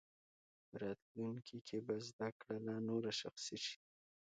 په راتلونکي کې به زده کړه لا نوره شخصي شي.